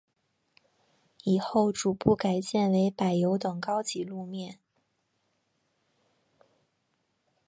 以后逐步改建为柏油等高级路面。